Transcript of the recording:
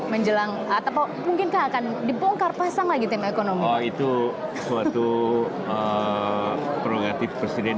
menjelang atau mungkinkah akan dibongkar pasang lagi tim ekonomi itu suatu progratif presiden